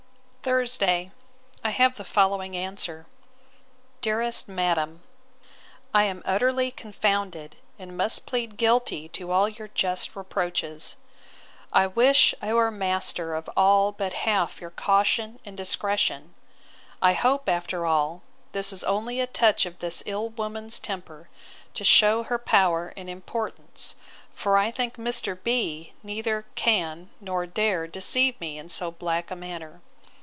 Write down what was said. Thursday. I have the following answer: 'DEAREST MADAM, 'I am utterly confounded, and must plead guilty to all your just reproaches. I wish I were master of all but half your caution and discretion! I hope, after all, this is only a touch of this ill woman's temper, to shew her power and importance: For I think Mr. B—— neither can nor dare deceive me in so black a manner.